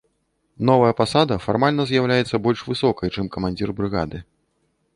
Новая пасада фармальна з'яўляецца больш высокай, чым камандзір брыгады.